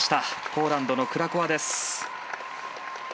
ポーランドのクラコワです。